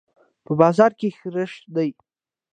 په بازار کښي رش دئ.